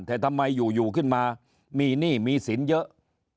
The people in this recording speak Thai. แต่ทำไมอยู่ขึ้นมามีหนี้มีสินเยอะ